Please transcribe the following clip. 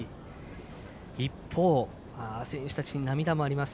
一方選手たちに涙もあります。